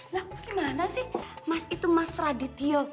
lah gimana sih mas itu mas radityo